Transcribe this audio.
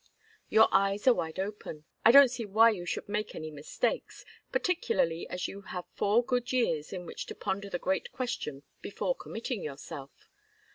Your eyes are wide open. I don't see why you should make any mistakes, particularly as you have four good years in which to ponder the great question before committing yourself.